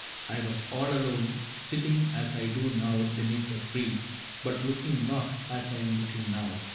I was all alone. Sitting as I do now beneath a tree. But looking not, as I am looking now.